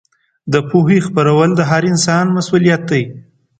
د پوهې خپرول د هر انسان مسوولیت دی.